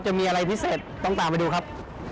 จะมีอะไรพิเศษต้องตามไปดูครับ